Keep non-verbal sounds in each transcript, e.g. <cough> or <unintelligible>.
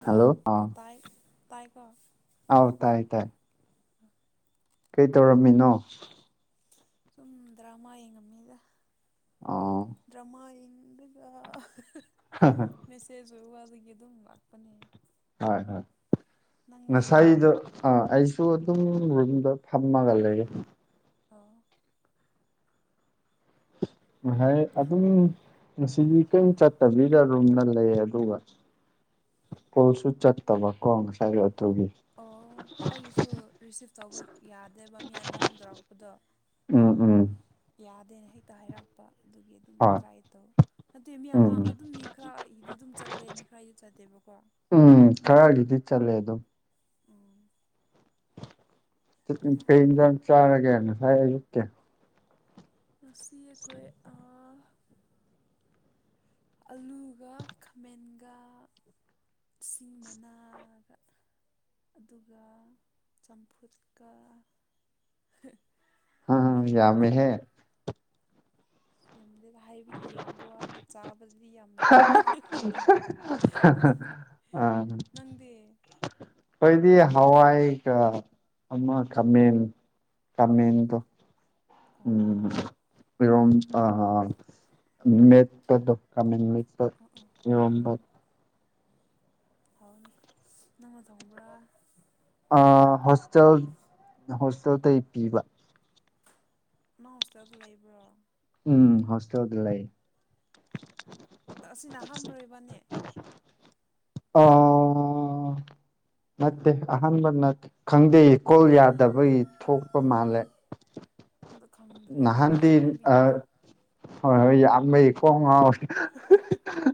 hello ꯑꯣ ꯇꯥꯏ ꯇꯥꯏꯀꯣ ꯑꯧ ꯇꯥꯏ ꯇꯥꯏ ꯀꯩ ꯇꯧꯔꯝꯃꯤꯅꯣ ꯁꯨꯝ ꯗ꯭ꯔꯃꯥꯥ ꯌꯦꯝꯉꯝꯃꯤꯗ ꯑꯥ ꯗ꯭ꯔꯃꯥꯥ ꯌꯦꯡ ꯒ ꯍ ꯍꯥ ꯃꯦꯁꯦꯖ ꯎꯕꯀꯥꯟꯗꯒꯤ ꯑꯗꯨꯝ ꯂꯥꯛꯄꯅꯦ ꯍꯣꯏ ꯍꯣꯏ ꯅꯪꯗꯤ ꯉꯁꯥꯏꯗꯣ ꯑꯥ ꯑꯩꯁꯨ ꯑꯗꯨꯝ ꯔꯨꯝꯗ ꯐꯝꯃꯒ ꯂꯩꯌꯦ ꯑꯣ ꯉꯁꯥꯏ ꯑꯗꯨꯝ ꯉꯁꯤꯗꯤ ꯀꯔꯤꯝ ꯆꯠꯇꯕꯤꯗ ꯔꯨꯝꯗ ꯂꯩ ꯑꯗꯨꯒ ꯀꯣꯜꯁꯨ ꯆꯠꯇꯕ ꯀꯣ ꯉꯁꯥꯏꯒꯤ ꯑꯗꯨꯒꯤ ꯑꯣ ꯍꯣꯏ ꯑꯩꯒꯤꯁꯨ ꯔꯤꯁꯤꯞ ꯇꯧꯕ ꯌꯥꯗꯦꯕ ꯃꯤ ꯑꯅꯤ ꯑꯍꯨꯝ ꯇꯧꯔꯛꯄꯗꯣ ꯎꯝ ꯎꯝ ꯌꯥꯗꯦꯅ ꯍꯦꯛꯇ ꯍꯥꯏꯔꯛꯄ ꯑꯗꯨꯒꯤ ꯑꯗꯨꯝ ꯍꯣꯏ ꯇ꯭ꯔꯥꯏ ꯇꯧ ꯅꯠꯇꯦ ꯃꯤ ꯎꯝ ꯑꯃ ꯎꯝ ꯑꯗꯨꯝ ꯃꯤ ꯈꯔꯒꯤꯗꯤ ꯑꯗꯨꯝ ꯆꯠꯂꯦ ꯃꯤ ꯈꯔꯒꯤꯗꯤ ꯆꯠꯇꯦꯕꯀꯣ ꯎꯝ ꯈꯔꯒꯤꯗꯤ ꯆꯠꯂꯦ ꯑꯗꯨꯝ ꯎꯝ ꯀꯩ ꯑꯦꯟꯖꯥꯡ ꯆꯥꯔꯒꯦ ꯉꯁꯥꯏ ꯑꯌꯨꯛꯀꯤ ꯉꯁꯤ ꯑꯩꯈꯣꯏ ꯑꯥ ꯑꯂꯨꯒ ꯈꯥꯃꯦꯟꯒ ꯎꯆꯤ ꯃꯅꯥꯒ ꯑꯗꯨꯒ ꯆꯝꯐꯨꯠꯀ ꯍꯥ ꯑꯃꯦꯠꯄꯒ ꯌꯥꯝꯃꯦꯍꯦ ꯌꯥꯝꯗꯦꯗ ꯍꯥꯏꯕꯒꯤ ꯌꯥꯝꯕ ꯋꯥꯅꯤ ꯆꯥꯕꯗꯗꯤ ꯌꯥꯝꯗꯦ <unintelligible> <unintelligible> ꯅꯪꯗꯤ ꯑꯩꯈꯣꯏꯗꯤ ꯍꯋꯥꯏꯒ ꯑꯃ ꯈꯥꯃꯦꯟ ꯈꯃꯦꯟꯗꯣ ꯎꯝ ꯑꯣ ꯏꯔꯣꯝ ꯑ ꯃꯦꯠꯄꯗꯣ ꯑꯣ ꯑꯣ <unintelligible> ꯑꯣ ꯏꯔꯣꯝꯕ ꯍꯥꯎꯔꯅꯤ ꯅꯧꯅ ꯊꯣꯡꯕ꯭ꯔꯥ ꯑ ꯍꯣꯁꯇꯦꯜ ꯍꯣꯁꯇꯦꯜ ꯇꯩ ꯄꯤꯕ ꯅꯪ ꯍꯣꯁꯇꯦꯜꯗ ꯂꯩꯕ꯭ꯔꯣ ꯎꯝ ꯍꯣꯁꯇꯦꯜꯗ ꯂꯩ ꯑꯁꯤꯅ ꯑꯍꯥꯟꯕ꯭ꯔꯣ ꯏꯕꯅꯤ ꯑꯥ ꯅꯠꯇꯦ ꯑꯍꯥꯟꯕ ꯅꯠ ꯈꯪꯗꯦ ꯀꯣꯜ ꯌꯥꯗꯕꯒꯤ ꯊꯣꯛꯄ ꯃꯥꯜꯂꯦ ꯑꯗꯣ ꯈꯪꯗ꯭ꯔꯦꯕ ꯅꯍꯥꯟꯗꯤ ꯑ ꯌꯥꯝꯃꯟꯕꯒꯤ ꯑꯗꯣ ꯍꯣꯏ ꯍꯣꯏ ꯌꯥꯝꯕꯩ ꯀꯣꯛ ꯉꯥꯎꯑꯦ <unintelligible>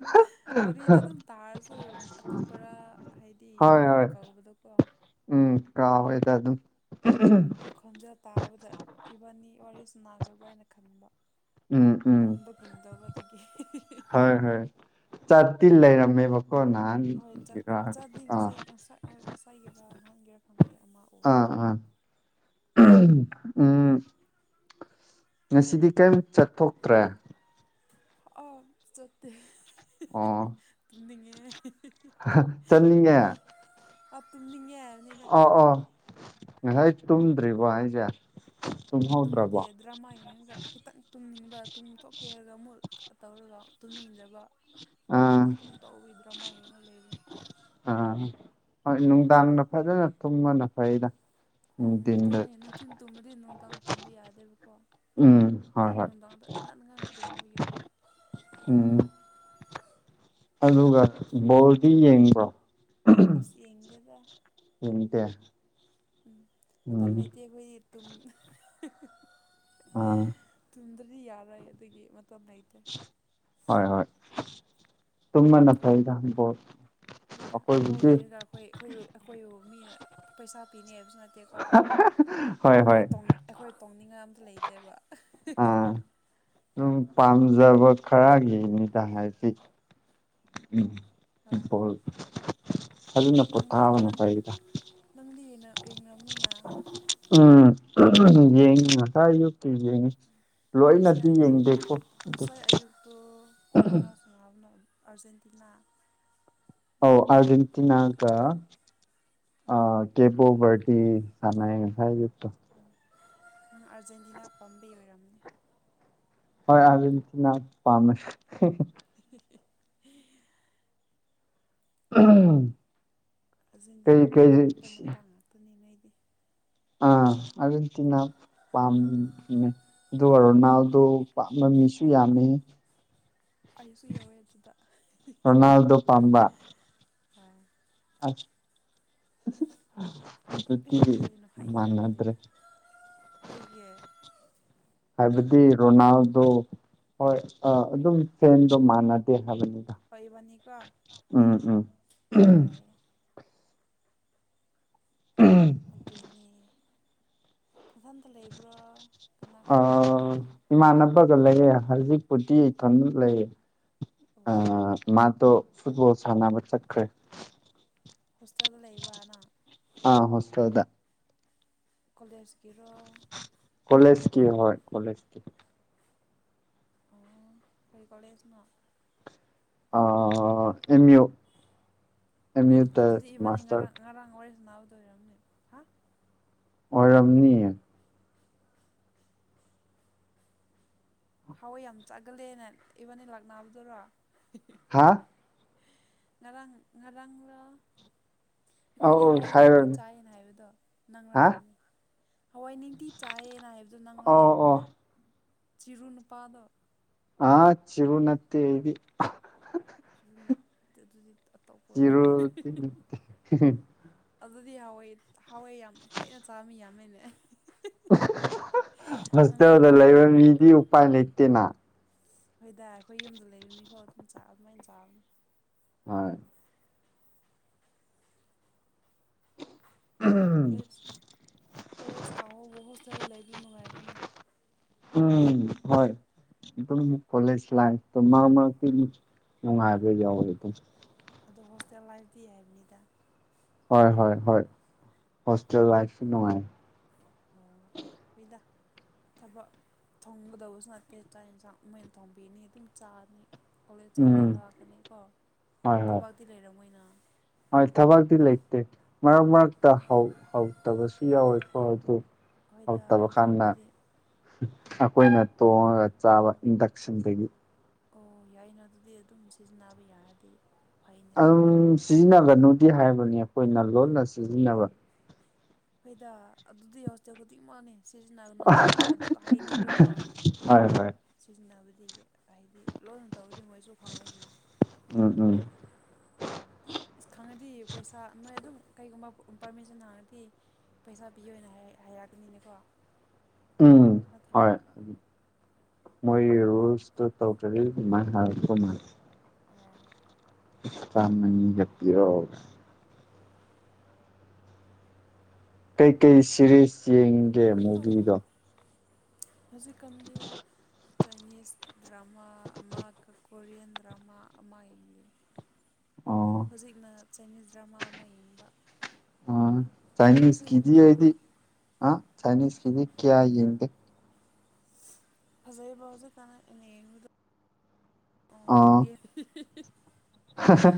ꯋꯥꯔꯤꯗꯣ ꯑꯗꯨꯝ ꯇꯥꯔꯁꯨ ꯑꯇꯣꯞꯄꯔꯥ ꯍꯥꯏꯗꯤ ꯍꯣꯏ ꯑꯗꯨꯝ ꯍꯣꯏ ꯀꯧꯕꯗꯣꯀꯣ ꯎꯝ ꯀꯥꯥꯎꯔꯦꯗ ꯑꯗꯨꯝ ꯑꯗꯣ ꯈꯣꯟꯖꯦꯜ ꯇꯥꯕꯗ ꯏꯕꯥꯅꯤ ꯋꯥꯔꯤ ꯁꯥꯟꯅꯈ꯭ꯔꯕꯔꯥ ꯍꯥꯏꯅ ꯈꯟꯕ ꯎꯝ ꯎꯝ ꯃꯟꯕꯒꯨꯝ ꯇꯧꯕꯗꯒꯤ ꯍꯣꯏ ꯍꯣꯏ ꯆꯥꯇꯤꯟ ꯂꯩꯔꯝꯃꯦ ꯕꯣ ꯀꯣ ꯅꯥꯍꯥꯟ ꯍꯣꯏꯠ ꯆꯥꯗꯤ ꯉꯁꯥꯏ ꯉꯁꯥꯏ ꯍꯣꯏ ꯉꯁꯥꯏꯒꯤꯔꯥ ꯅꯍꯥꯟꯒꯤꯔꯥ ꯈꯪꯗꯦ ꯑꯃꯥꯎ ꯑꯥ ꯑꯥ ꯎꯝ ꯉꯁꯤꯗꯤ ꯀꯩꯝ ꯆꯠꯊꯣꯛꯇ꯭ꯔꯦ ꯑ ꯆꯠꯇꯦ <unintelligible> ꯑꯣ ꯆꯠꯅꯤꯡꯉꯦ ꯑ ꯇꯨꯝꯅꯤꯡ ꯍꯥꯏꯕꯅꯤꯗ ꯑꯣ ꯑꯣ ꯉꯁꯥꯏ ꯇꯨꯝꯗ꯭ꯔꯤꯕꯣ ꯍꯥꯏꯁꯦ ꯇꯨꯝꯗꯦ ꯇꯨꯝꯍꯧꯗ꯭ꯔꯕꯣ ꯑꯗꯨ ꯗ꯭ꯔꯃꯥ ꯌꯦꯡꯉꯒ ꯈꯤꯇꯪ ꯇꯨꯝꯅꯤꯡꯕ ꯇꯨꯡ ꯊꯣꯛꯣꯛꯀꯦ ꯍꯥꯏꯔꯒ ꯑꯃꯨꯛ ꯇꯧꯔꯒ ꯇꯨꯝꯅꯤꯡꯗ꯭ꯔꯕ ꯑꯥ ꯇꯨꯝ ꯇꯧꯕꯤ ꯗ꯭ꯔꯃꯥ ꯌꯦꯡꯉ ꯂꯩꯔꯦ ꯑꯥ ꯍꯣꯏ ꯅꯨꯡꯗꯥꯡꯗ ꯐꯖꯅ ꯇꯨꯝꯕꯅ ꯐꯩꯗ ꯎꯝ ꯅꯨꯡꯊꯤꯟꯗ ꯑꯗꯨꯅꯦ ꯅꯨꯡꯊꯤꯟ ꯇꯨꯝꯕꯗꯤ ꯅꯨꯡꯗꯥꯡ ꯇꯨꯝꯕ ꯌꯥꯗꯦꯕꯀꯣ ꯎꯝ ꯍꯣꯏ ꯑꯩꯗꯤ ꯍꯣꯏ ꯅꯨꯡꯗꯥꯡꯗ ꯉꯟꯅ ꯉꯟꯅ ꯇꯨꯝꯕꯒꯤ ꯑꯃꯨꯛ ꯎꯝ ꯑꯗꯨꯒ ꯕꯣꯜꯗꯤ ꯌꯦꯡꯕ꯭ꯔꯣ ꯑꯁ ꯌꯦꯡꯗꯦꯗ ꯌꯦꯡꯗꯦ ꯎꯝ ꯃꯇꯝ ꯎꯝ ꯂꯩꯇꯦ ꯑꯩꯈꯣꯏꯒꯤ ꯇꯨꯝ ꯑꯥ ꯇꯨꯝꯗ꯭ꯔꯗꯤ ꯌꯥꯔꯣꯏ ꯑꯗꯨꯒꯤ ꯃꯇꯝ ꯂꯩꯇꯦ ꯍꯣꯏ ꯍꯣꯏ ꯇꯨꯝꯕꯅ ꯐꯩꯗ ꯕꯣꯜ ꯑꯩꯈꯣꯏꯗ ꯕꯣꯜ ꯑꯩꯈꯣꯏꯕꯨꯗꯤ ꯌꯦꯡꯉꯒ ꯑꯩꯈꯣꯏ ꯑꯩꯈꯣꯏ ꯑꯩꯈꯣꯏꯕꯨ ꯃꯤꯅ ꯄꯩꯁꯥ ꯄꯤꯅꯦ ꯍꯥꯏꯕꯁꯨ ꯅꯠ ꯇꯦꯀꯣ ꯍꯣꯏ ꯑꯩꯈꯣꯏ ꯍꯣꯏ ꯇꯧ ꯑꯩꯈꯣꯏ ꯇꯧꯅꯤꯡꯉꯥꯏ ꯑꯝꯇ ꯂꯩꯇꯦꯕ ꯑꯥ ꯑꯗꯨꯝ ꯄꯥꯝꯖꯕ ꯈꯔꯒꯤꯅꯤꯗ ꯍꯥꯏꯗꯤ ꯎꯝ ꯍꯣꯏ ꯐꯨ ꯕꯣꯜ ꯑꯗꯨꯅ ꯅꯪꯗꯤ ꯄꯣꯊꯥꯕꯅ ꯅꯪ ꯐꯩꯗ ꯅꯪꯗꯤ ꯌꯦꯡꯅꯕꯅꯤꯅ ꯎꯝ ꯌꯦꯡ ꯉꯁꯥꯏ ꯁꯨ ꯌꯦꯡꯉꯤ ꯂꯣꯏꯅꯗꯤ ꯌꯦꯡꯗꯦꯀꯣ ꯑꯗꯨ ꯇꯣ ꯀꯅꯥ ꯁꯥꯅꯕꯅꯣ ꯑꯥꯔꯖꯦꯟꯇꯤꯅꯥ ꯑꯧ ꯑꯥꯔꯖꯦꯟ <unintelligible> ꯑ ꯀꯦ ꯄꯣꯕꯔꯇꯤ ꯁꯥꯟꯅꯩ ꯌꯦ ꯉꯁꯥꯏ ꯑꯌꯨꯛꯇꯨ ꯅꯪ ꯑꯥꯔꯖꯦꯟꯇꯤꯅꯥ ꯄꯣꯝꯕꯩ ꯑꯣꯏꯔꯝꯅꯦ ꯍꯣꯏ ꯑꯥꯔꯖꯦꯟꯇꯤꯅꯥ ꯄꯥꯝꯃꯦ <inaudible> <unintelligible> ꯀꯩ ꯑꯥꯔꯖꯦꯟꯇꯤꯅ ꯀꯩ ꯄꯥꯝꯕ ꯅꯨꯄꯥ ꯉꯥꯛꯇꯅꯤ ꯅꯣꯏꯗꯤ ꯑꯥ ꯑꯥꯔꯖꯦꯟꯇꯤꯅ ꯄꯥꯝꯃꯦ ꯑꯗꯨꯒ ꯔꯣꯅꯥꯜꯗꯣ ꯄꯥꯃꯕ ꯃꯤꯁꯨ ꯌꯥꯝꯃꯦ ꯑꯩꯁꯨ ꯌꯥꯎꯋꯦ ꯑꯗꯨꯗ ꯍꯣꯏ ꯔꯣꯅꯥꯜꯗꯣ ꯄꯥꯝꯕ ꯑꯁ ꯑꯦ ꯑꯗꯨꯗꯤ ꯀꯩꯅꯣ ꯍꯥꯏ ꯍꯥꯏꯕꯗꯨꯗꯤ ꯃꯥꯟꯅꯗ꯭ꯔꯦ ꯀꯩꯒꯤ ꯍꯥꯏꯕꯗꯤ ꯔꯣꯅꯥꯜꯗꯣ ꯍꯣꯏ ꯑꯥ ꯑꯗꯨꯝ ꯐꯦꯟꯗꯣ ꯃꯥꯟꯅꯗꯦ ꯍꯥꯏꯕꯅꯤꯗ ꯍꯣꯏ ꯏꯕꯥꯅꯤꯀꯣ ꯎꯝ ꯎꯝ ꯍꯣꯏ <unintelligible> ꯑꯗꯨꯅꯦ ꯅꯊꯟꯇ ꯂꯩꯕ꯭ꯔꯥ ꯀꯅꯥ ꯀꯅꯥ ꯂꯩꯒꯦ ꯑꯥ ꯏꯃꯥꯟꯅꯕꯒ ꯂꯩꯌꯦ ꯍꯧꯖꯤꯛꯄꯨꯗꯤ ꯏꯊꯟꯇ ꯂꯩꯌꯦ ꯑ ꯑꯣ ꯃꯥꯗꯣ ꯐꯨꯠꯕꯣꯜ ꯁꯥꯟꯅꯕ ꯆꯠꯈ꯭ꯔꯦ ꯍꯣꯁꯇꯦꯜꯗ ꯂꯩꯕ꯭ꯔ ꯅꯪ ꯑ ꯍꯣꯁꯇꯦꯜꯗ ꯀꯣꯂꯦꯖꯀꯤꯔꯣ ꯀꯣꯂꯦꯖꯀꯤ ꯍꯣꯏ ꯀꯣꯂꯦꯖꯀꯤ ꯑꯣ ꯀꯩ ꯀꯣꯂꯦꯖꯅꯣ ꯑꯥ ꯑꯦꯝ ꯌꯨ ꯑꯦꯝ ꯑꯦ ꯌꯨꯗ ꯑꯗꯨꯗꯤ ꯏꯕꯥꯅꯤ ꯃꯥꯁꯇꯔ ꯉꯔꯥꯡ ꯉꯔꯥꯡ ꯋꯥꯔꯤꯁꯥꯅꯥꯕꯗꯣ ꯑꯣꯏꯔꯝꯅꯤ ꯍꯥ ꯑꯣꯏꯔꯝꯅꯤꯌꯦ ꯍꯥꯎꯋꯦ ꯌꯥꯝ ꯆꯥꯒꯜꯂꯦꯅ ꯏꯕꯥꯟꯅꯤ ꯂꯥꯛꯅꯕꯗꯨꯔꯣ ꯍꯥꯥ ꯉꯔꯥꯡ ꯉꯔꯥꯡꯂꯥ ꯑꯩꯈꯣꯏꯗꯤ ꯑꯧ ꯍꯋꯥꯏ ꯅꯤꯡꯇꯤ ꯍꯥꯏꯔꯅꯤ ꯆꯥꯏꯌꯦꯅ ꯍꯥꯏꯕꯗꯣ ꯅꯪꯔꯥ ꯍꯥ ꯍꯥꯏꯕꯅꯤ ꯍꯋꯥꯏ ꯅꯤꯡꯇꯤ ꯆꯥꯏꯌꯦꯅ ꯍꯥꯏꯕꯗꯣ ꯅꯪꯔꯥ ꯑꯣ ꯑꯣ ꯍꯥꯏꯕꯅꯤꯗ ꯆꯤꯔꯨ ꯅꯨꯄꯥꯗꯣ ꯑꯥ ꯆꯤꯔꯨ ꯅꯠꯇꯦ ꯑꯩꯗꯤ ꯆꯤꯔꯨ ꯅꯠꯇꯦ ꯑꯗꯨꯗꯤ ꯑꯇꯣꯞꯄ ꯑꯣꯏꯔ ꯆꯤꯔꯨꯗꯤ <unintelligible> ꯑꯗꯨꯗꯤ ꯍꯧꯋꯥꯏ ꯍꯧꯋꯥꯏ ꯌꯥꯝ ꯇꯣꯏꯅ ꯆꯥꯕ ꯃꯤ ꯌꯥꯝꯃꯦꯅꯦ <unintelligible> ꯅꯪꯁꯨ ꯍꯣꯁꯇꯦꯜꯗ ꯑꯥꯎ ꯂꯩꯕ ꯍꯥꯏꯈ꯭ꯔꯦ ꯃꯤꯗꯤ ꯎꯄꯥꯏ ꯂꯩꯇꯦꯅ ꯍꯣꯏꯗꯥ ꯑꯩꯈꯣꯏ ꯌꯨꯝꯗ ꯂꯩꯕ ꯃꯤꯐꯥꯎ ꯑꯗꯨꯝ ꯆꯥ ꯑꯗꯨꯃꯥꯏꯟ ꯆꯥꯕꯅꯤ ꯍꯣꯏ ꯎꯝ ꯀꯣꯂꯦꯖ ꯀꯣꯂꯦꯖ ꯀꯥꯕꯕꯨ ꯍꯣꯁꯇꯦꯜ ꯂꯩꯕ ꯅꯨꯡꯉꯥꯏꯕ꯭ꯔꯅꯦ ꯎꯝ ꯍꯣꯏ ꯑꯗꯨꯝ ꯀꯣꯂꯦꯖ ꯂꯥꯏꯐ ꯇꯣ ꯃꯔꯛ ꯃꯔꯛꯇꯗꯤ ꯅꯨꯉꯥꯏꯕ ꯌꯥꯎꯋꯤꯗ ꯑꯗꯣ ꯍꯣꯁꯇꯦꯜ ꯂꯥꯏꯐꯗꯤ ꯍꯥꯏꯕꯅꯤꯗ ꯍꯣꯏ ꯍꯣꯏ ꯍꯣꯏ ꯍꯣꯁꯇꯦꯜ ꯂꯥꯏꯐꯁꯨ ꯅꯨꯡꯉꯥꯏ ꯑꯣ ꯐꯩꯗꯥ ꯊꯕꯛ ꯊꯣꯡꯒꯗꯧꯕꯁꯨ ꯅꯠꯇꯦ ꯆꯥꯛ ꯍꯦꯟꯁꯥꯡ ꯃꯣꯏꯅ ꯊꯣꯡꯕꯤꯅꯤ ꯑꯗꯨꯝ ꯆꯥꯅꯤ ꯀꯣꯜꯂꯦꯖ ꯆꯠꯂꯦ ꯎꯝ ꯍꯜꯂꯛꯀꯅꯤꯀꯣ ꯍꯣꯏ ꯍꯣꯏ ꯊꯕꯛꯇꯤ ꯂꯩꯔꯝꯃꯣꯏꯅ ꯍꯣꯏ ꯊꯕꯛꯇꯤ ꯂꯩꯇꯦ ꯃꯔꯛ ꯃꯔꯛꯇ ꯍꯥꯎ ꯍꯥꯎꯇꯕꯁꯨ ꯌꯥꯎꯋꯦꯀꯣ ꯑꯗꯨ ꯍꯣꯏꯗ ꯍꯥꯎꯇꯕ ꯀꯥꯟꯗ ꯌꯦꯟꯁꯥꯡꯕꯨꯗꯤ ꯑꯈꯣꯏꯅ ꯇꯣꯡꯉꯒ ꯆꯥꯕ ꯏꯟꯗꯛꯁꯟꯗꯒꯤ ꯑꯣ ꯌꯥꯏꯅ ꯑꯗꯨꯗꯤ ꯑꯗꯨꯝ ꯁꯤꯖꯤꯟꯅꯕ ꯌꯥꯔꯗꯤ ꯐꯩꯅꯦ ꯑꯗꯨꯝ ꯁꯤꯖꯤꯟꯅꯒꯅꯨꯗꯤ ꯍꯥꯏꯕꯅꯤ ꯑꯈꯣꯏꯅ ꯂꯣꯠꯅ ꯁꯤꯖꯤꯟꯅꯕ ꯐꯩꯗꯥ ꯑꯗꯨꯗꯤ ꯍꯣꯁꯇꯦꯜ ꯈꯨꯗꯤꯡꯃꯛꯅꯦ ꯁꯤꯖꯤꯟꯅꯒꯅꯣꯅꯦ ꯍꯥꯏ ꯑꯗꯨ ꯍꯥꯏꯅꯤꯕꯀꯣ ꯍꯣꯏ ꯍꯣꯏ ꯁꯤꯖꯤꯟꯅꯕꯗꯤ ꯒꯤ ꯍꯥꯏꯗꯤ ꯂꯣꯟꯅ ꯇꯧꯔꯗꯤ ꯃꯣꯏꯁꯨ ꯈꯪꯉꯣꯏꯗꯅ ꯎꯝ ꯎꯝ ꯏꯁ ꯈꯪꯉꯗꯤ ꯄꯩꯁꯥ ꯅꯣꯏ ꯑꯗꯨꯝ ꯀꯩꯒꯨꯝꯕ ꯄꯥꯔꯃꯤꯁꯟ ꯍꯪꯉꯗꯤ ꯄꯩꯁꯥ ꯄꯤꯌꯣꯅ ꯍꯥꯏꯔꯛ ꯍꯥꯏꯔꯛꯒꯅꯤꯅꯦꯀꯣ ꯎꯝ ꯍꯣꯏ ꯃꯣꯏꯒꯤ ꯎꯝ ꯔꯨꯜꯁ ꯑꯗꯨ ꯇꯧꯗ꯭ꯔꯗꯤ ꯑꯗꯨꯃꯥꯏꯟ ꯍꯥꯔꯛꯇꯧ ꯃꯥꯥꯜꯂꯦ ꯑꯥ ꯆꯥꯝ ꯑꯅꯤꯒ ꯄꯤꯔꯛꯑꯣꯅ ꯀꯩꯀꯩ ꯁꯦꯔꯤꯁ ꯌꯦꯡꯒꯦ ꯍꯣꯏ ꯃꯨꯚꯤꯗꯣ ꯍꯧꯖꯤꯛꯀꯥꯟꯗꯤ ꯆꯥꯏꯅꯤꯁ ꯗ꯭ꯔꯃꯥ ꯑꯃ ꯀꯣꯔꯤꯌꯟ ꯗ꯭ꯔꯃꯥ ꯑꯃ ꯌꯦꯡꯂꯤ ꯑꯣ ꯍꯨꯖꯤꯛꯅ ꯆꯥꯏꯅꯤꯁ ꯗ꯭ꯔꯃꯥ ꯑꯃ ꯌꯦꯡꯕ ꯑꯥ ꯆꯥꯏꯅꯤꯁ ꯅꯪꯁꯨ ꯀꯤꯗꯤ ꯌꯦꯡꯕ꯭ꯔꯥ ꯑꯩꯗꯤ ꯑꯥ ꯆꯥꯏꯅꯤꯁ ꯀꯤꯗꯤ ꯀꯌꯥ ꯌꯦꯡꯗꯦ ꯐꯖꯩꯌꯦꯕ ꯍꯧꯖꯤꯛꯀꯥꯟ ꯑꯩ ꯑꯩꯅ ꯌꯦꯡꯕꯗꯣ ꯑꯣ ꯑꯦ <unintelligible> ꯍꯥ ꯍꯥ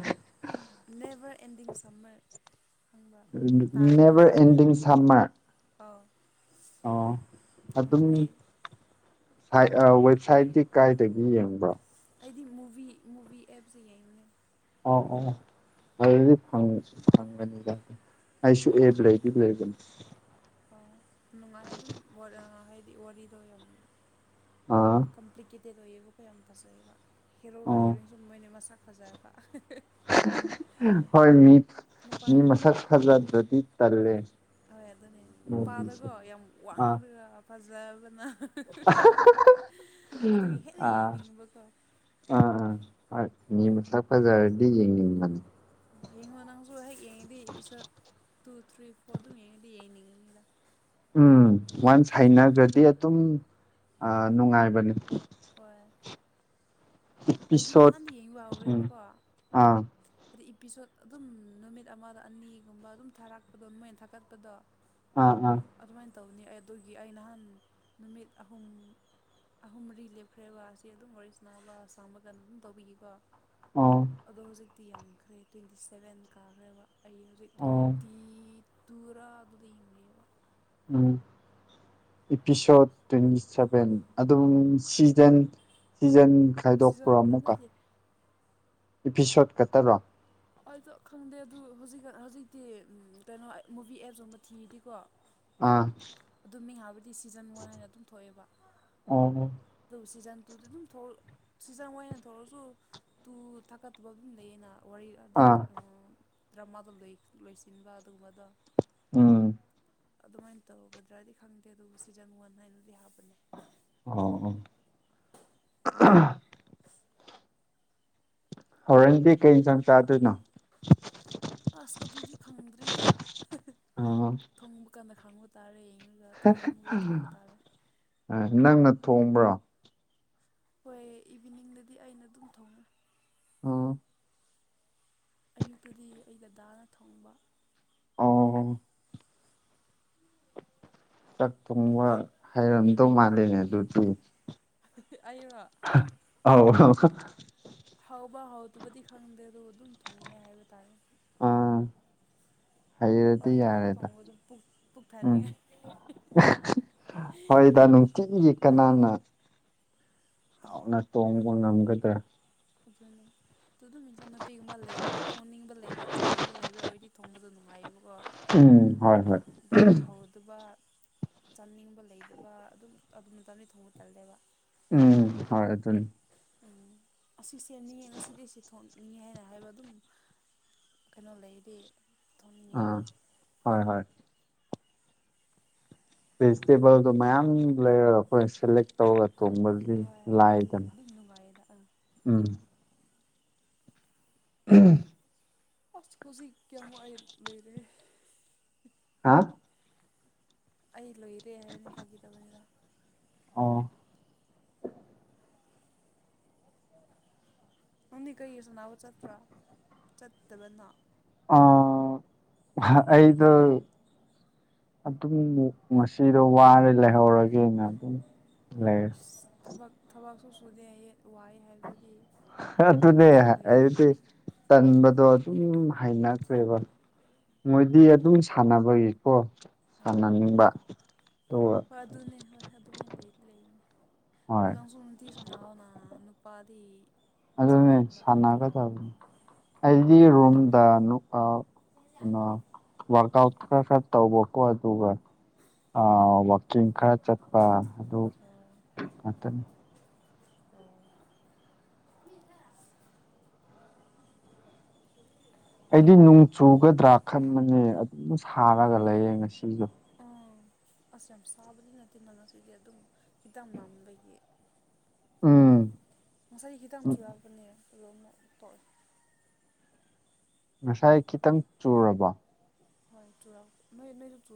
ꯅꯦꯕꯔ ꯑꯦꯟꯗꯤꯡ ꯁꯝꯃꯔ ꯈꯪꯕ ꯇꯥꯔꯝꯅꯤꯅ ꯅꯦꯚꯔ ꯑꯗꯨꯗꯤ ꯑꯦꯟꯗꯤꯡ ꯁꯝꯃꯔ ꯑꯥꯎ ꯑꯣ ꯌꯥꯝ ꯑꯗꯨꯝ ꯐꯩ ꯍꯥꯏ ꯑ ꯋꯦꯕꯁꯥꯏꯠꯇꯤ ꯀꯥꯏꯗꯒꯤ ꯌꯦꯡꯕ꯭ꯔꯣ ꯑꯩꯗꯤ ꯃꯨꯚꯤ ꯃꯨꯚꯤ ꯑꯦꯞꯁꯦ ꯌꯦꯡꯉꯦ ꯑ ꯑ <unintelligible> ꯑꯩꯁꯨ ꯏꯅꯦꯖꯨ ꯂꯩꯗꯨꯗꯤ ꯑꯗꯨꯝ ꯑ ꯅꯨꯡꯉꯥꯏ ꯑꯗꯨꯝ ꯋꯔ ꯍꯥꯏꯗꯤ ꯋꯥꯔꯤꯗꯣ ꯌꯥꯝ ꯑꯥ ꯀꯝꯄ꯭ꯂꯤꯀꯦꯇꯦꯠ ꯑꯣꯏꯌꯦꯕꯀꯣ ꯌꯥꯝ ꯐꯖꯩꯌꯦꯕ ꯍꯦꯔꯣꯒ ꯑꯣ ꯍꯦꯔꯣꯏꯟ ꯁꯨꯝ ꯃꯣꯏꯅꯤ ꯃꯁꯛ ꯐꯖ ꯑ ꯍꯣꯏ ꯃꯤ ꯃꯤ ꯅꯨꯄꯥꯗꯣ ꯃꯁꯛ ꯐꯖꯗ꯭ꯔꯗꯤ ꯇꯜꯂꯦ ꯍꯣꯏ ꯑꯗꯨꯅꯤ ꯃꯨꯚꯤꯁꯦ ꯅꯨꯄꯥꯗꯀꯣ ꯌꯥꯝ ꯑꯥ ꯋꯥꯡꯂꯒ ꯐꯖꯕꯅ ꯑꯗꯨꯒꯤ ꯍꯦꯟꯅ ꯑꯥ ꯌꯦꯡꯅꯤꯡꯕꯀꯣ ꯑꯥ ꯑꯥ ꯃꯤ ꯃꯁꯛ ꯐꯖꯔꯗꯤ ꯌꯦꯡꯅꯤꯡꯕꯅꯦ ꯌꯦꯡꯉꯣ ꯅꯪꯁꯨ ꯍꯦꯛ ꯌꯦꯡꯉꯗꯤ ꯏꯄꯤꯁꯣꯠ ꯇꯨ ꯊ꯭ꯔꯤ ꯐꯣꯔ ꯑꯗꯨꯝ ꯌꯦꯡꯉꯗꯤ ꯌꯦꯅꯤꯡ ꯅꯤꯗ ꯎꯝ ꯋꯥꯟꯁ ꯍꯩꯅꯈ꯭ꯔꯗꯤ ꯑꯗꯨꯝ ꯅꯨꯡꯉꯥꯏꯕꯅꯤ ꯍꯣꯏ ꯑꯩꯗꯤ ꯏꯄꯤꯁꯣꯠ ꯅꯍꯥꯟ ꯌꯦꯡꯕ ꯎꯝ ꯍꯧꯔꯦꯕꯀꯣ ꯑꯥ ꯍꯥꯏꯗꯤ ꯏꯄꯤꯁꯣꯠ ꯑꯗꯨꯝ ꯅꯨꯃꯤꯠ ꯑꯃꯗ ꯑꯅꯤꯒꯨꯝꯕ ꯑꯗꯨꯝ ꯊꯥꯔꯛꯄꯗꯣ ꯃꯣꯏꯅ ꯊꯥꯒꯠꯄꯗꯣ ꯑꯥ ꯑꯥ ꯑꯗꯨꯃꯥꯏꯅ ꯇꯧꯅꯤ ꯑꯩ ꯑꯗꯨꯒꯤ ꯑꯩ ꯅꯍꯥꯟ ꯅꯨꯃꯤꯠ ꯑꯍꯨꯝ ꯑꯍꯨꯝ ꯃꯔꯤ ꯂꯦꯞꯈ꯭ꯔꯦ ꯋꯥ ꯑꯁꯤ ꯑꯗꯨꯝ ꯋꯥꯔꯤ ꯁꯅꯥ ꯂ ꯑꯁꯥꯡꯕ ꯀꯟ ꯑꯗꯨꯝ ꯇꯧꯕꯤꯒꯦꯀꯣ ꯑꯣ ꯑꯗꯣ ꯍꯧꯖꯤꯛꯇꯤ ꯌꯥꯝꯈ꯭ꯔꯦ ꯇ꯭ꯋꯦꯟꯇꯤ ꯁꯕꯦꯟ ꯀꯥꯈ꯭ꯔꯦꯕ ꯑꯩ ꯍꯧꯖꯤꯛ ꯑꯣ ꯇ꯭ꯋꯦꯟꯇꯤ ꯇꯨꯔꯥ ꯑꯗꯨꯗ ꯌꯦꯡꯉꯦꯕ ꯎꯝ ꯏꯄꯤꯁꯣꯠ ꯇ꯭ꯋꯦꯟꯇꯤ ꯁꯚꯦꯟ ꯑꯗꯨꯝ ꯁꯤꯖꯟ ꯁꯤꯖꯟ ꯈꯥꯏꯗꯣꯛꯄ꯭ꯔꯣ ꯁꯤꯖꯟ ꯑꯃꯨꯛꯀ ꯅꯠꯇꯦ ꯏꯄꯤꯁꯣꯠ ꯈꯇꯔꯣ ꯑꯗꯣ ꯈꯪꯗꯦ ꯑꯗꯨ ꯍꯧꯖꯤꯛꯀ ꯍꯧꯖꯤꯛꯇꯤ ꯎꯝ ꯀꯩꯅꯣ ꯑꯩ ꯃꯨꯚꯤ ꯑꯦꯞꯁꯨꯝꯕ ꯊꯤꯗꯦꯀꯣ ꯑꯥ ꯑꯗꯨꯝ ꯃꯤꯡ ꯍꯥꯏꯕꯗꯤ ꯁꯤꯖꯟ ꯋꯥꯟ ꯍꯥꯏꯅ ꯑꯗꯨꯝ ꯊꯣꯛꯑꯦꯕ ꯑꯣꯍꯨ ꯑꯗꯨ ꯁꯤꯖꯟ ꯇꯨꯗꯤ ꯑꯗꯨꯝ ꯊꯣꯛꯂꯛ ꯁꯤꯖꯟ ꯑꯣꯏꯅ ꯊꯣꯛꯂꯁꯨ ꯇꯨ ꯊꯥꯀꯠꯇꯕ ꯑꯗꯨꯝ ꯂꯩꯌꯦꯅꯥ ꯋꯥꯔꯤ ꯑꯗꯤ ꯑꯥ ꯑꯣ ꯗ꯭ꯔꯃꯥꯗꯣ ꯂꯩ ꯂꯣꯏꯁꯤꯟꯕ ꯑꯗꯨꯒꯨꯝꯕꯗ ꯎꯝ ꯑꯗꯨꯃꯥꯏꯅ ꯇꯧꯒꯗ꯭ꯔꯗꯤ ꯈꯪꯗꯦ ꯑꯗꯨꯕꯨ ꯁꯤꯖꯟ ꯋꯥꯟ ꯍꯥꯏꯅꯗꯤ ꯍꯥꯞꯄꯅꯦ ꯑꯧ ꯎ ꯍꯣꯔꯦꯟꯗꯤ ꯀꯩ ꯏꯟꯖꯥꯡ ꯆꯥꯗꯣꯏꯅꯣ ꯑꯁ ꯑꯗꯨꯗꯤ ꯈꯪꯗ꯭ꯔꯤꯗ ꯑꯍ ꯃꯨꯡꯕ ꯀꯥꯟꯗ ꯈꯥꯡꯉꯣ ꯇꯥꯔꯦ ꯌꯦꯡꯉꯒ ꯊꯣꯡꯅꯤꯡꯉꯒ ꯊꯣꯡꯕ ꯇꯥꯔꯦ ꯑꯥ ꯅꯪꯅ ꯊꯣꯡꯕ꯭ꯔꯣ ꯍꯣꯏ ꯏꯚꯤꯅꯤꯡꯗꯗꯤ ꯑꯩꯅ ꯑꯗꯨꯝ ꯊꯣꯡꯉꯦ ꯑꯣ ꯑꯌꯨꯛꯇꯨꯗꯤ ꯑꯩ ꯗꯗꯥꯅ ꯊꯣꯡꯕ ꯑꯣ ꯆꯥꯛ ꯊꯣꯡꯕ ꯍꯩꯔꯝꯗꯧ ꯃꯥꯜꯂꯦꯅꯦ ꯑꯗꯨꯗꯤ ꯑꯩꯔꯣ ꯑꯥꯎ ꯍꯥꯎꯕ ꯍꯥꯎꯇꯕꯗꯤ ꯈꯪꯗꯦ ꯑꯗꯣ ꯑꯗꯨꯝ ꯊꯣꯡꯉꯦ ꯍꯥꯏꯕ ꯇꯥꯔꯦ ꯑꯥ ꯍꯩꯔꯗꯤ ꯄꯡꯊꯣꯡꯗ ꯌꯥꯔꯦꯗ ꯊꯣꯡꯕꯗꯨ ꯄꯨꯛ ꯎꯝ ꯄꯨꯛꯊꯟꯅꯤꯡꯉꯥꯏ <unintelligible> ꯆꯤꯛ ꯌꯦ ꯀꯅꯥꯅ ꯍꯥꯎꯅ ꯊꯣꯡꯕ ꯉꯝꯒꯗ꯭ꯔꯥ ꯑꯗꯨꯅꯤ ꯑꯗꯨ ꯑꯗꯨꯝ ꯏꯟꯁꯥꯡ ꯅꯞꯄꯤꯒꯨꯝꯕ ꯂꯩꯕ ꯊꯣꯡꯅꯤꯡꯕ ꯂꯩꯕ ꯆꯥꯅꯤꯡꯕ ꯂꯩꯕ ꯑꯣꯏꯔꯗꯤ ꯊꯣꯡꯕꯗꯣ ꯅꯨꯡꯉꯥꯏꯌꯦꯕꯀꯣ ꯎꯝ ꯍꯣꯏ ꯍꯣꯏ ꯑꯗꯨ ꯍꯧꯔꯗꯨꯕ ꯆꯥꯅꯤꯡꯕ ꯂꯩꯗꯕ ꯑꯗꯨꯝ ꯑꯗꯨ ꯃꯇꯝꯗꯗꯤ ꯊꯣꯡꯕ ꯇꯜꯂꯦꯕ ꯎꯝ ꯍꯣꯏ ꯑꯗꯨꯅꯤ ꯎꯝ ꯑꯁꯤꯁꯦꯅꯤꯌꯦ ꯉꯁꯤꯗꯤꯁꯤ ꯊꯣꯛꯅꯤꯡꯉꯦ ꯍꯥꯏꯅ ꯍꯥꯏꯕ ꯑꯗꯨꯝ ꯀꯩꯅꯣ ꯂꯩꯗꯤ ꯊꯣꯡꯅꯤꯡꯉꯦ ꯑꯥ ꯍꯣꯏ ꯍꯣꯏ ꯚꯦꯖꯤꯇꯦꯕꯜꯗꯣ ꯃꯌꯥꯝ ꯂꯩꯔꯒ ꯑꯩꯈꯣꯏ ꯁꯤꯜꯂꯦ ꯇꯧꯔ ꯊꯣꯡꯕꯗꯨꯗꯤ ꯍꯣꯏ ꯑꯗꯨ ꯂꯥꯏꯗꯅ ꯑꯗꯨꯝ ꯅꯨꯡꯉꯥꯏꯌꯦꯗ ꯑꯥ ꯎꯝ <unintelligible> ꯑꯁ ꯍꯧꯖꯤꯛ ꯀꯌꯥꯝ <unintelligible> ꯂꯩꯔꯦ ꯍꯥ ꯑꯩ ꯂꯣꯏꯔꯦ ꯍꯥꯏꯕꯅꯦ ꯐꯥꯒꯤ ꯇꯧꯕꯅꯤꯗ ꯑꯣ ꯅꯪꯗꯤ ꯀꯩꯒꯤ ꯁꯅꯥꯕ ꯆꯠꯇ꯭ꯔꯥ ꯆꯠꯇꯕꯅꯣ ꯑ ꯑꯩꯗꯣ ꯑꯗꯨꯝ ꯉꯁꯤꯗꯣ ꯋꯥꯔꯦ ꯂꯩꯍꯧꯔꯒꯦꯅ ꯑꯗꯨꯝ ꯂꯩꯔꯦ ꯏꯁ ꯊꯕꯛ ꯊꯕꯛꯁꯨ ꯁꯨꯗꯦꯌꯦ ꯋꯥꯏ ꯍꯥꯏꯕꯗꯨꯗꯤ ꯑꯗꯨꯅꯦ ꯅꯪꯁꯨ ꯂꯩꯔꯦ ꯑꯩꯗꯤ ꯍꯥꯏꯔ ꯇꯟꯕꯗꯣ ꯑꯗꯨꯝ ꯍꯩꯅꯈ꯭ꯔꯦꯕ ꯃꯣꯏꯗꯤ ꯑꯗꯨꯝ ꯁꯥꯟꯅꯕꯒꯤꯀꯣ ꯍꯣꯏ ꯁꯥꯟꯅꯅꯤꯡꯕ ꯑꯗꯨꯒ ꯍꯣꯏ ꯑꯗꯨꯅꯦ ꯍꯣꯏ ꯑꯗꯨꯃꯥꯏꯅ ꯂꯩ ꯂꯩꯅꯦ ꯍꯣꯏ <unintelligible> ꯁꯅꯥꯑꯣꯅ ꯅꯨꯄꯥꯗꯤ ꯑꯗꯨꯅꯦ ꯁꯥꯟꯅꯕꯅ ꯐꯠꯇ꯭ꯔꯣ ꯑꯣ ꯁꯥꯟꯅꯒꯗꯕꯅꯦ ꯑꯩꯗꯤ ꯔꯨꯝꯗ ꯅꯨ ꯑꯥ ꯋꯥꯔꯛꯎꯠ ꯈꯔ ꯈꯔ ꯇꯧꯕ ꯀꯣ ꯑꯗꯨꯒ ꯑ ꯋꯥꯛꯀꯤꯡ ꯈꯔ ꯆꯠꯄ ꯑꯗꯨ ꯑꯥ <unintelligible> ꯑꯣ ꯑꯩꯗꯤ ꯅꯣꯡ ꯆꯨꯒꯗ꯭ꯔꯥ ꯈꯟꯕꯅꯦ ꯑꯗꯨꯝ ꯁꯥꯔꯒ ꯂꯩꯌꯦ ꯉꯁꯤꯗꯣ ꯑꯥ ꯑꯁ ꯌꯥꯝ ꯁꯥꯕꯗꯤ ꯅꯠꯇꯦꯅ ꯉꯁꯤꯗꯤ ꯑꯗꯨꯝ ꯈꯤꯇꯪ ꯃꯝꯕꯒꯤ ꯎꯝ ꯉꯁꯥꯏ ꯍꯤꯗꯛ ꯃꯆꯨ ꯌꯥꯎꯔꯛꯄꯅꯦ ꯑꯗꯨ ꯑꯃꯨꯛ ꯇꯣꯛꯑꯦ ꯉꯁꯥꯏ ꯈꯤꯇꯪ ꯆꯨꯔꯕꯣ ꯍꯣꯏ ꯆꯨꯔꯝ ꯅꯣꯏ ꯅꯣꯏ ꯆꯨ